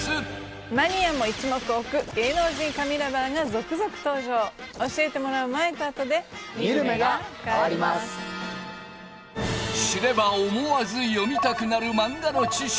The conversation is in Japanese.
マニアも一目置く芸能人神ＬＯＶＥＲが続々登場教えてもらう前と後で見る目が変わります知れば思わず読みたくなる漫画の知識